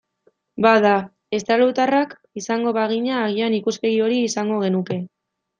Bada, estralurtarrak izango bagina, agian ikuspegi hori izango genuke.